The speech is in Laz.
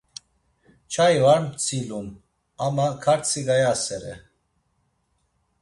Çai var tzilum ama kartsi gayasere.